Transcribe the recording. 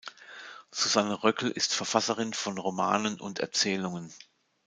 Susanne Röckel ist Verfasserin von Romanen und Erzählungen.